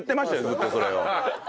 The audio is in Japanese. ずっとそれを。